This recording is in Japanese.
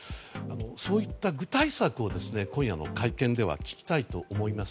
そういった具体策を今夜の会見では聞きたいと思います。